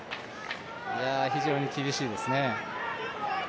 非常に厳しいですね。